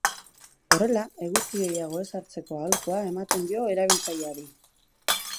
Horrela, eguzki gehiago ez hartzeko aholkua ematen dio erabiltzaileari.